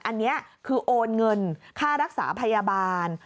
อันนี้คือโอนเงินค่ารักษาพยาบาล